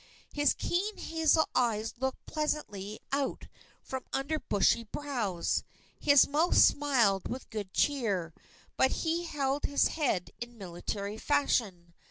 His keen hazel eyes looked pleasantly out from under bushy brows. His mouth smiled with good cheer; but he held his head in military fashion.